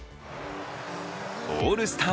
オールスター